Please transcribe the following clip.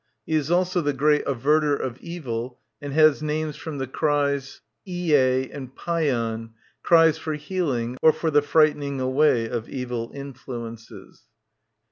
He is also the great Averter of Evil, and has names from the cries "/^" (pronounced " Ee ay ") and " Paian," cries for healing or for the frightening away of evil influences.